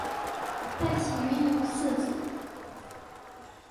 戴喜云有四子。